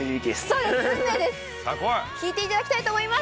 引いていただきたいと思います。